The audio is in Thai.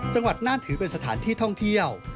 จังหวัดน่านถือเป็นสถานที่ท่องเที่ยว